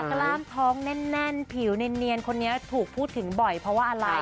กล้ามท้องแน่นผิวเนียนคนนี้ถูกพูดถึงบ่อยเพราะว่าอะไร